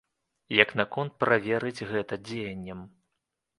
Як наконт праверыць гэта дзеяннем?